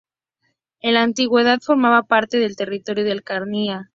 En la Antigüedad, formaba parte del territorio de Acarnania.